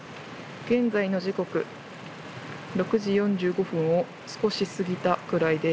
現在の時刻６時４５分を少し過ぎたくらいです。